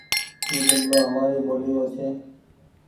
اي جملو همآري ٻولي رو ڇي۔